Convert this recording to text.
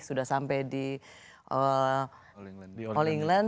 sudah sampai di all england